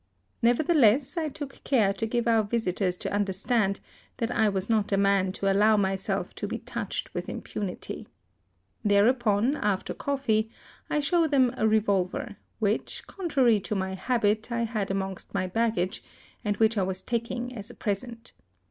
Never theless I took care to give our visitors to THE SUEZ CANAL. 65 understand that I T^as not a man to allow myself to be touched with impunity. There upon, after coffee, I show them a revolver, which, contrary to my habit, I had amongst my baggage, and which I was taking as a present.